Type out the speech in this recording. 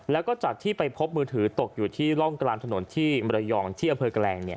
แล้วก็จากที่ไปพบมือถือตกอยู่ที่ร่องกลางถนนที่มรยองที่อำเภอแกลง